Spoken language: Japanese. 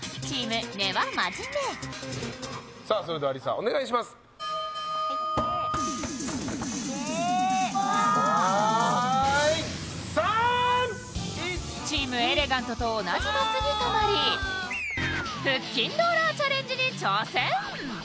チームエレガントと同じマスに止まり腹筋ローラーチャレンジに挑戦